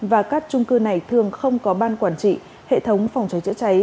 và các trung cư này thường không có ban quản trị hệ thống phòng cháy chữa cháy